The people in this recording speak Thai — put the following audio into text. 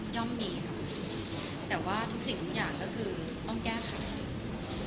่อมมีค่ะแต่ว่าทุกสิ่งทุกอย่างก็คือต้องแก้ไข